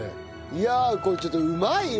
いやあこれちょっとうまいわ！